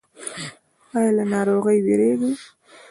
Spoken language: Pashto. ایا له ناروغۍ ویریږئ؟